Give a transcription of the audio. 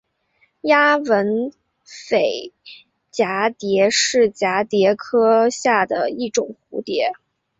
丫纹俳蛱蝶是蛱蝶科下的一种蝴蝶。